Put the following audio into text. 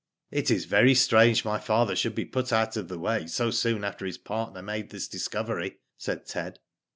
" It is very strange my father should be put out of the way so soon after his partner made this discovery," said Ted.